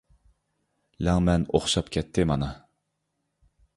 لەڭمەن ئوخشاپ كەتتى مانا.